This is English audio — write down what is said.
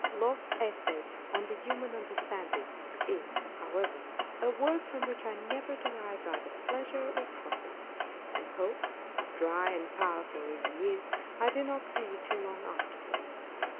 Locke's Essay on the Human Understanding is, however, a work from which I never derived either pleasure or profit ; and Hobbes, dry and powerful as he is, I did not read till long afterwards.